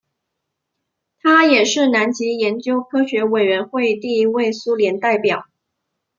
他也是南极研究科学委员会第一位苏联代表。